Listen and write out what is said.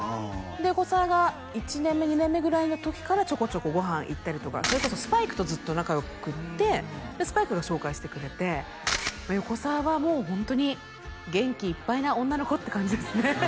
で横澤が１年目２年目ぐらいの時からちょこちょこご飯行ったりとかそれこそスパイクとずっと仲良くってスパイクが紹介してくれて横澤はもうホントに元気いっぱいな女の子って感じですね